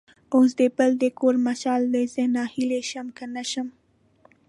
اوس د بل د کور مشال دی؛ زه ناهیلی شم که نه شم.